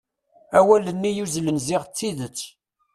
Awal-nni yuzzlen ziɣ d tidet.